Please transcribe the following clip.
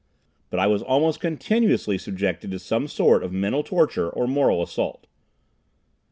But I was almost continuously subjected to some form of mental torture or moral assault.